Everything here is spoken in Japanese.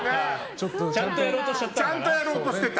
ちゃんとやろうとしてた。